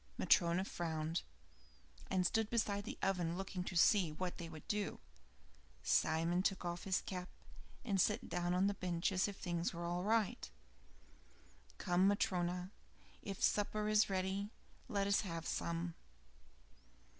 Matryona frowned, and stood beside the oven looking to see what they would do. Simon took off his cap and sat down on the bench as if things were all right. "Come, Matryona; if supper is ready, let us have some."